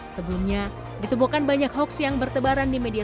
sebelumnya ditubuhkan banyak hoax yang bertebar